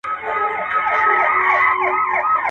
د ُملا په څېر به ژاړو له اسمانه.